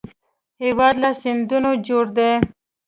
هېواد له سیندونو جوړ دی